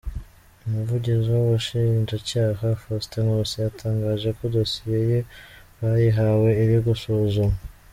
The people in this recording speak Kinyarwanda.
Umuvugizi w’Ubushinjacyaha, Faustin Nkusi, yatangaje ko dosiye ye bayihawe iri gusuzumwa.